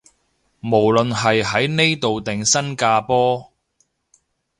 無論係喺呢度定新加坡